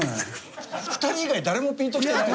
２人以外誰もピンときてない。